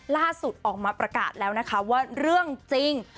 ล่าสุดออกมาประกาศแล้วนะคะว่าเรื่องจริง